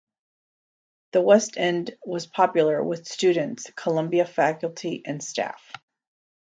The West End was popular with students, Columbia faculty and staff.